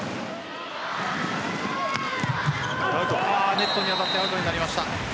ネットに当たってアウトになりました。